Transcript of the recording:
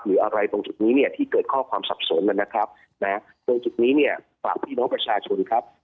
หรืออะไรตรงจุดนี้เนี่ยที่เกิดข้อความสับสนนะครับนะตรงจุดนี้เนี่ยฝากพี่น้องประชาชนครับ